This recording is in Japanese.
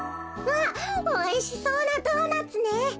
あっおいしそうなドーナツね。